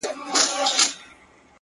• مُريد ښه دی ملگرو او که پير ښه دی ـ